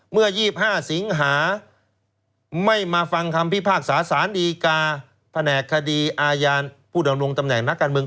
เมื่อ๒๕สิงหาไม่มาฟังคำพิพากษาสารดีกาแผนกคดีอาญาผู้ดำรงตำแหน่งนักการเมือง